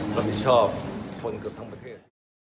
กระทรวงใหญ่รับผิดชอบคนเกือบทั้งประเทศ